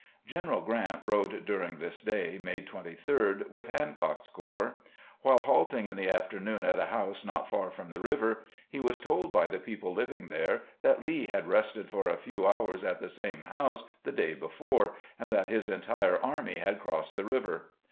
Greneral G rant rode during this day. May 23, with Hancock's corps. While halting in the afternoon at a house not far from the river, he was told by the people living there that Lee had rested for a few hours at the same house the day before, and that his entire army had crossed the river.